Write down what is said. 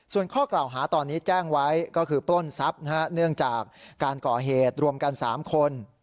ส่วนข้อกล่าวหาตอนนี้แจ้งไว้ก็คือปล้นทรัพย์เนื่องจากการก่อเหตุรวมกัน๓คน